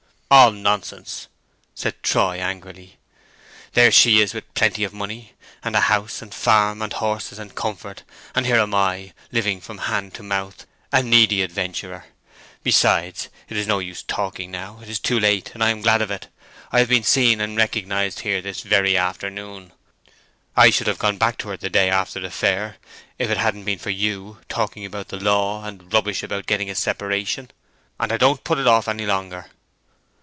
"All nonsense!" said Troy, angrily. "There she is with plenty of money, and a house and farm, and horses, and comfort, and here am I living from hand to mouth—a needy adventurer. Besides, it is no use talking now; it is too late, and I am glad of it; I've been seen and recognized here this very afternoon. I should have gone back to her the day after the fair, if it hadn't been for you talking about the law, and rubbish about getting a separation; and I don't put it off any longer.